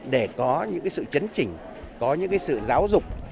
để có những sự chấn chỉnh có những sự giáo dục